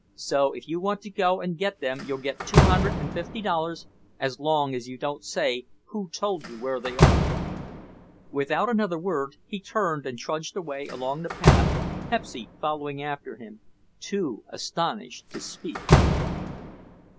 So if you want to go and get them you'll get two hundred and fifty dollars as long as you don't say who told you where they are." Without another word he turned and trudged away along the path, Pepsy following after him, too astonished to speak.